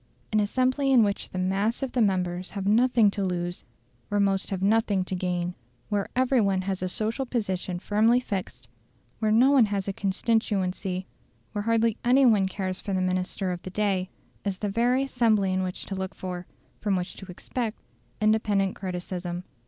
An assembly in which the mass of the members have nothing to lose, where most have nothing to gain, where every one has a social position firmly fixed, where no one has a constituency, where hardly any one cares for the minister of the day, is the very assembly in which to look for, from which to expect, independent criticism.